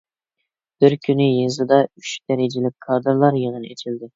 بىر كۈنى يېزىدا ئۈچ دەرىجىلىك كادىرلار يىغىنى ئېچىلدى.